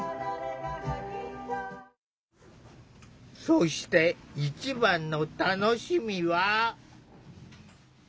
そして一番の楽しみは。